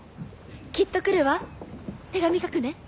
きっと来るわ手紙書くね。